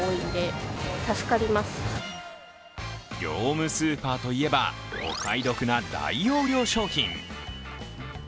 業務スーパーといえば、お買い得な大容量商品。